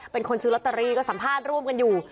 เป็นคนซื้อลอตเตอรี่ก็สัมภาษณ์ร่วมกันอยู่